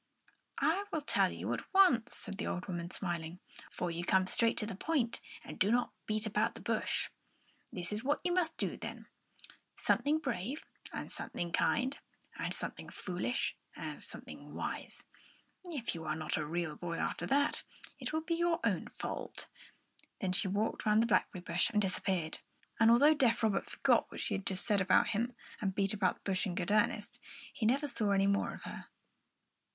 "I will tell you at once," said the old woman, smiling, "for you come straight to the point and do not beat about the bush. This is what you must do, then: something brave and something kind and something foolish and something wise. If you are not a real boy after that, it will be your own fault!" Then she walked round the blackberry bush and disappeared; and although deaf Robert forgot what she had just said about him and beat about that bush in good earnest, he never saw any more of her.